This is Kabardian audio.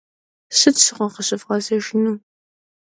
Sıt şığue khevğezejjınu?